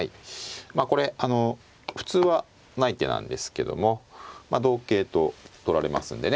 これあの普通はない手なんですけども同桂と取られますんでね